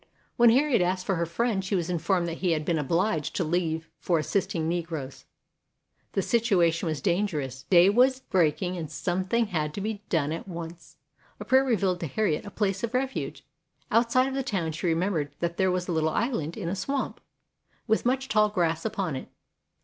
When Harriet asked for her friend she was informed that he had been obliged to leave for assisting Negroes. The situation was dangerous. Day was breaking and something had to be done at once. A prayer revealed to Harriet a place of refuge. Outside of the town she remem bered that there was a little island in a swamp, with much tall grass upon it.